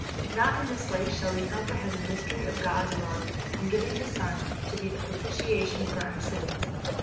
Not in this life shall we comprehend the mystery of God's love in giving His Son to be the propitiation for our sins.